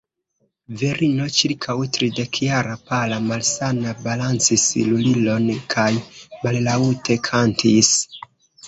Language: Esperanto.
Virino ĉirkaŭ tridekjara, pala, malsana, balancis lulilon kaj mallaŭte kantis.